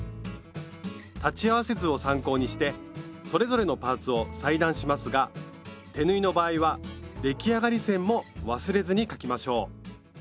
裁ち合わせ図を参考にしてそれぞれのパーツを裁断しますが手縫いの場合は出来上がり線も忘れずに描きましょう。